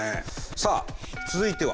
さあ続いては。